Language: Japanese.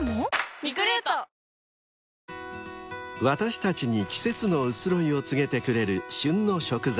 ［私たちに季節の移ろいを告げてくれる］